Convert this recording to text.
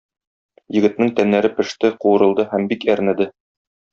Егетнең тәннәре пеште, куырылды һәм бик әрнеде.